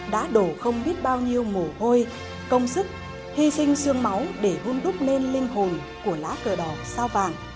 đã đổ không biết bao nhiêu mổ hôi công sức hy sinh xương máu để hôn đúc lên linh hồn của lá cờ đỏ sao vàng